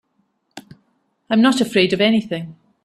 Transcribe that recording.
I'm not afraid of anything.